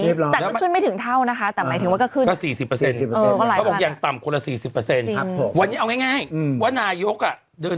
แต่ก็ขึ้นไม่ถึงเท่านะคะแต่ไม่ถึงว่าก็ขึ้น